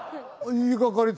言いがかり。